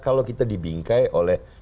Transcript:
kalau kita dibingkai oleh